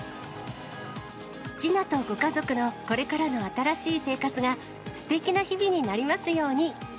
ちなとご家族のこれからの新しい生活がすてきな日々になりますように。